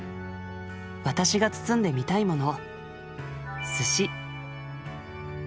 私が包んでみたいもの」。